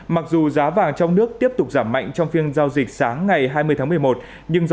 mặc dù giá vàng trong nước tiếp tục giảm mạnh trong phiên giao dịch sáng ngày hai mươi tháng một mươi một nhưng do